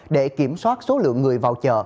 để kiểm soát số lượng người vào chợ